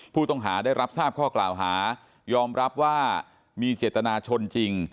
ผู้ต้องหาได้รับทราบข้อกล่าวหายอมรับว่ามีเจตนาชนจริง